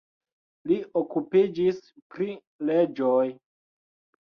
Li okupiĝis pri leĝoj.